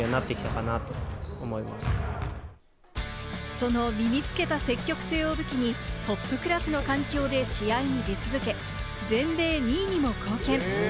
その身につけた積極性を武器にトップクラスの環境で試合を出続け、全米２位にも貢献。